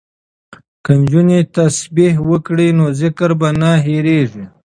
که نجونې تسبیح وکړي نو ذکر به نه هیریږي.